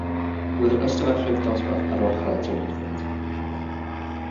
Roedd yr ystafelloedd dosbarth ar ochr y tirlithriad.